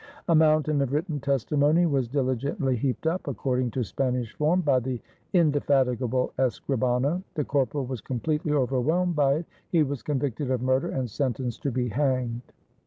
A mountain of written testimony was diligently heaped up, according to Spanish form, by the inde fatigable escrihano; the corporal was completely over whelmed by it. He was convicted of murder and sen tenced to be hanged.